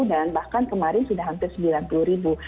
dan bahkan kemarin sudah hampir sembilan puluh ribu